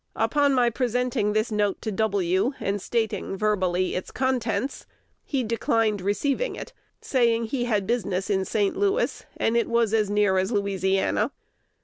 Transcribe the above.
Upon my presenting this note to W., and stating verbally its contents, he declined receiving it, saying he had business in St. Louis, and it was as near as Louisiana.